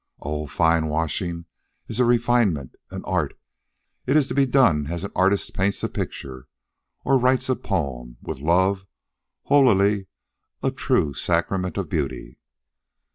Oh, fine washing is a refinement, an art. It is to be done as an artist paints a picture, or writes a poem, with love, holily, a true sacrament of beauty.